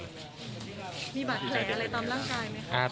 มีบาดแผลอะไรตามร่างกายไหมครับ